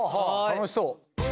楽しそう。